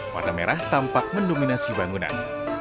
warna merah tampak mendominasi bangunan